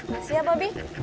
masih ya bobby